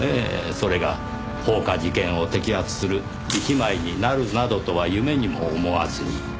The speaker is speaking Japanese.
それが放火事件を摘発する一枚になるなどとは夢にも思わずに。